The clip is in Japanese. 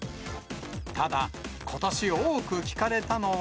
ただ、ことし多く聞かれたのは。